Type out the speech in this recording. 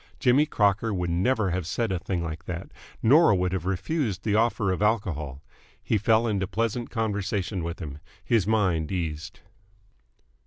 Jimmy Crocker would never have said a thing like that nor would have refused the offer of alcohol. He fell into pleasant conversation with him. His mind eased.